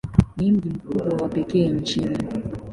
Ni mji mkubwa wa pekee nchini.